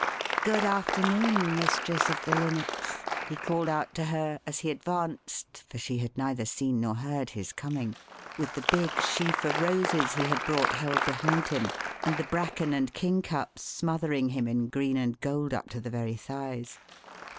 "Good afternoon, Mistress of the Linnets!" he called out to her as he advanced (for she had neither seen nor heard his coming) with the big sheaf of roses he had brought held behind him and the bracken and kingcups smothering him in green and gold up to the very thighs.